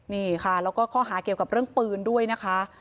นี่ค่ะแล้วก็ข้อหาเกี่ยวกับเรื่องปืนด้วยนะคะ